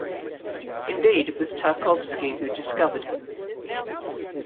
Indeed, it was Tarkovsky who "discovered" him.